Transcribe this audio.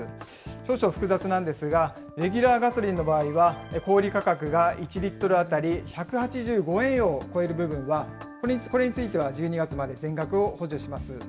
少々複雑なんですが、レギュラーガソリンの場合は小売り価格が１リットル当たり１８５円を超える部分はこれについては１２月まで全額を補助します。